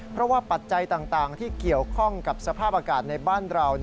เพราะว่าปัจจัยต่างที่เกี่ยวข้องกับสภาพอากาศในบ้านเรา